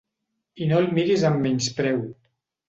I no el miris amb menyspreu!